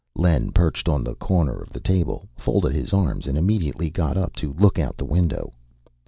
Len perched on the corner of the table, folded his arms, and immediately got up to look out the window.